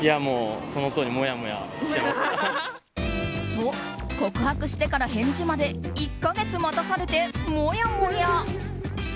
と、告白してから返事まで１か月待たされて、もやもや。